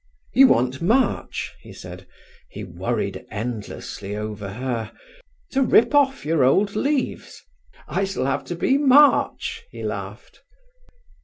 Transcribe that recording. "You want March," he said—he worried endlessly over her—"to rip off your old leaves. I s'll have to be March," he laughed.